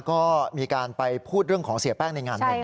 ก็มีการไปพูดเรื่องของเสียแป้งในงานหนึ่ง